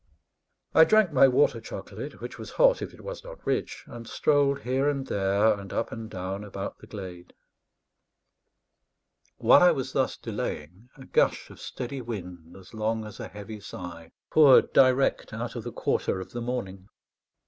I drank my water chocolate, which was hot if it was not rich, and strolled here and there, and up and down about the glade. While I was thus delaying, a gush of steady wind, as long as a heavy sigh, poured direct out of the quarter of the morning.